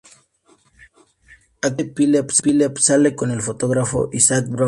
Actualmente Philippa sale con el fotógrafo Isaac Brown.